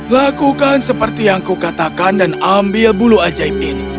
lakukan seperti yang kukatakan dan ambil bulu ajaib ini